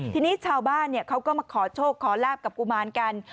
ทีนี้ชาวบ้านเขาก็มาขอโชคขอลาบกับกุมารกัน